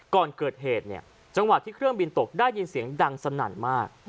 ก่อนเกิดเหตุเนี่ยจังหวะที่เครื่องบินตกได้ยินเสียงดังสนั่นมาก